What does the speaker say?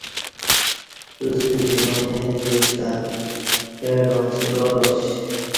توستہ جوانی جوش تہ اہ ڈاں چپالا ش